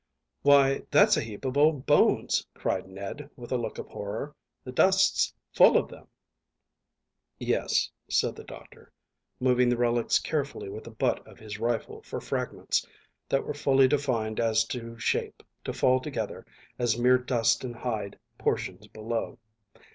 "Why, that's a heap of old bones," cried Ned, with a look of horror; "the dust's full of them." "Yes," said the doctor, moving the relics carefully with the butt of his rifle for fragments that were fully defined as to shape to fall together as mere dust and hide portions below.